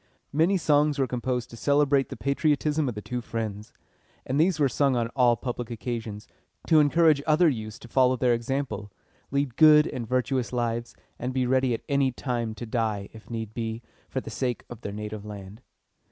Many songs were composed to celebrate the patriotism of the two friends; and these were sung on all public occasions, to encourage other youths to follow their example, lead good and virtuous lives, and be ready at any time to die, if need be, for the sake of their native land.